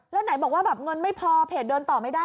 แล้วไหนบอกว่าแบบเงินไม่พอเพจเดินต่อไม่ได้